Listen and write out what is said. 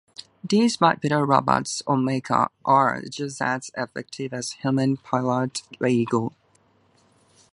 These bipedal robots, or mecha, are just as effective as a human-piloted vehicle.